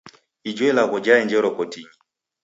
Ijo ilagho jaenjero kotinyi.